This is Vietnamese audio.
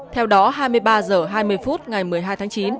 theo đó hai mươi ba h hai mươi phút ngày một mươi hai tháng chín